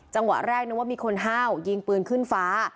จังหวะแรกนึกว่ามีคนห้าวยิงปืนขึ้นฟ้า